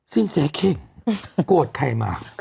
สินแสเข้งโกรธใครมา